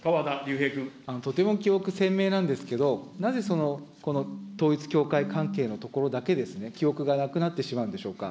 とても記憶、鮮明なんですけど、なぜその統一教会関係のところだけ、記憶がなくなってしまうんでしょうか。